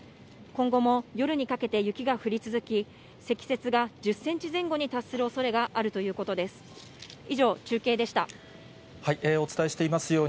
今後も夜にかけて雪が降り続き、積雪が１０センチ前後に達するおそれがあるということです。